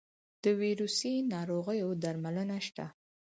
د ویروسي ناروغیو درملنه شته؟